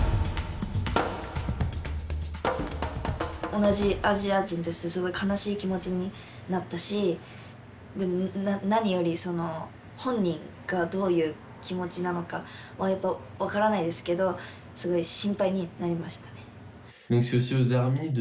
同じアジア人としてすごい悲しい気持ちになったし何よりその本人がどういう気持ちなのか分からないですけどすごい心配になりましたね。